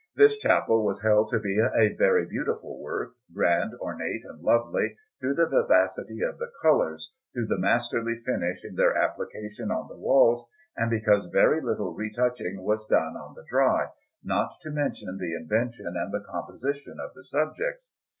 This chapel was held to be a very beautiful work, grand, ornate, and lovely, through the vivacity of the colours, through the masterly finish in their application on the walls, and because very little retouching was done on the dry, not to mention the invention and the composition of the subjects.